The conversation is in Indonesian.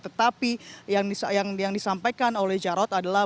tetapi yang disampaikan oleh jarod adalah